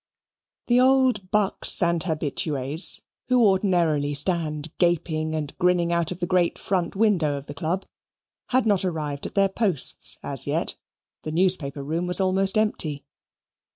The old bucks and habitues, who ordinarily stand gaping and grinning out of the great front window of the Club, had not arrived at their posts as yet the newspaper room was almost empty.